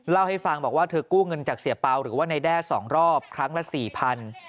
เล่าให้ฟังบอกว่าเธอกู้เงินจากเสียเปล่าหรือว่านายแด้๒รอบครั้งละสี่พัน